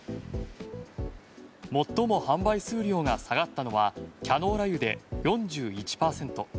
最も販売数量が下がったのはキャノーラ湯で４１％